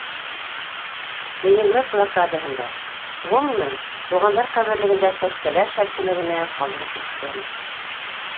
Ленинград блокадаһында... ғөмүмән, туғандар ҡәберлегендә сәскәләр шәлкеме генә ҡалдырып киттем...